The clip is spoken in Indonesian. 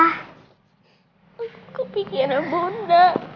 kok pikiran bunda